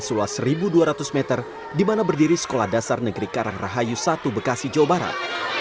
seluas satu dua ratus meter di mana berdiri sekolah dasar negeri karangrahayu satu bekasi jawa barat